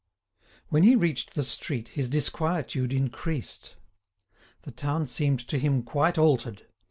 When he reached the street, his disquietude increased. The town seemed to him quite altered.